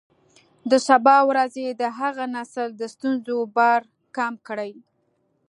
د سبا ورځې د هغه نسل د ستونزو بار کم کړئ.